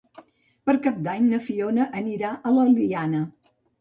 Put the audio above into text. Per Cap d'Any na Fiona anirà a l'Eliana.